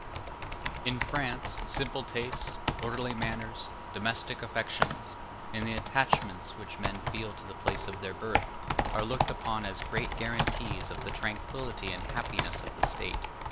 In France, simple tastes, orderly manners, domestic affections, and the attachments which men feel to the place of their birth, are looked upon as great guarantees of the tranquillity and happiness of the State.